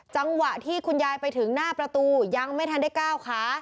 แต่เมื่อที่คุณยายไปถึงหน้าประตูยังไม่ทันได้ก้าวค่ะ